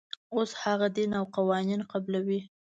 اوس هغه دین او قوانین قبلوي.